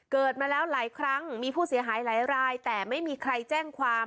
เกิดมาแล้วหลายครั้งมีผู้เสียหายหลายรายแต่ไม่มีใครแจ้งความ